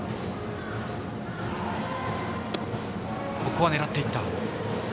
ここは狙っていった。